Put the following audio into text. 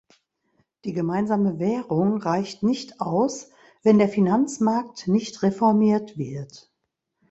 Die gemeinsame Währung reicht nicht aus, wenn der Finanzmarkt nicht reformiert wird.